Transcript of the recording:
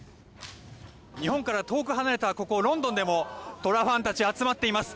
日本から遠く離れたここ、ロンドンでも虎ファンたち、集まっています。